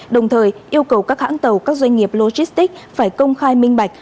đồng thời yêu cầu các hãng tàu các doanh nghiệp logistics phải công khai minh bạch